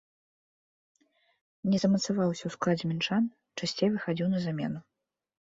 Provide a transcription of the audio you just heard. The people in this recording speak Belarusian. Не замацаваўся ў складзе мінчан, часцей выхадзіў на замену.